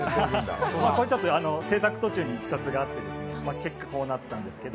制作途中にいきさつがあって結果こうなったんですけど。